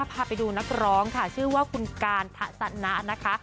พาไปดูนักร้องค่ะชื่อว่าคุณการทัศนะนะคะ